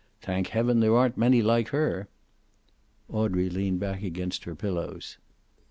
Thank heaven there aren't many like her." Audrey leaned back against her pillows.